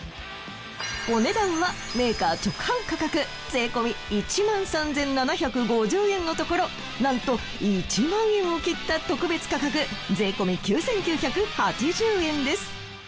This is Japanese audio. お値段はメーカー直販価格税込１３，７５０円のところなんと１万円を切った特別価格税込９，９８０円です。